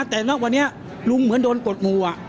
แต่ณวันนี้ลุงเหมือนโดนกดหมู่